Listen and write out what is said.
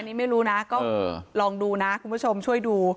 อันนี้ไม่รู้นะก็ลองดูนะคุณผู้ชมช่วยดู